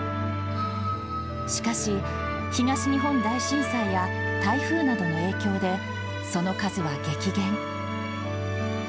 しかし、東日本大震災や台風などの影響で、その数は激減。